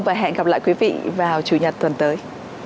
và hẹn gặp lại quý vị vào chủ nhật tuần tới